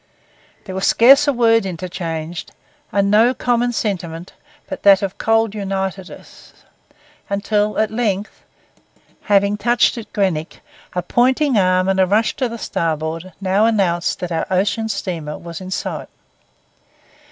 There was scarce a word interchanged, and no common sentiment but that of cold united us, until at length, having touched at Greenock, a pointing arm and a rush to the starboard now announced that our ocean steamer was in sight.